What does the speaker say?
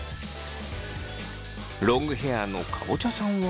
ロングヘアのかぼちゃさんは。